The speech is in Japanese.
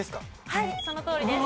はいそのとおりです。